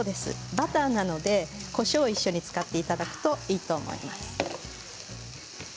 バターなのでこしょうを一緒に使っていただくといいと思います。